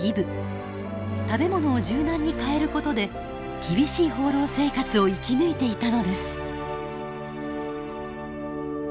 食べ物を柔軟に変えることで厳しい放浪生活を生き抜いていたのです。